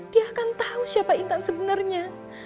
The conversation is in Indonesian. dia akan tau siapa intan sebenernya